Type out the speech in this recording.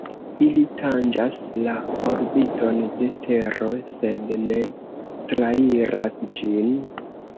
Ili tanĝas la orbiton de Tero sed ne trairas ĝin.